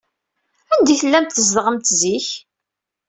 Anda ay tellamt tzedɣemt zik?